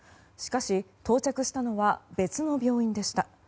しかし、到着したのは別の病院でした。